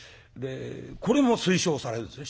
これも推奨されるんですね